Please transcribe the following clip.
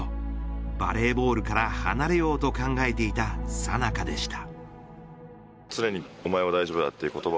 バレーボールから離れようと考えていたさなかでした。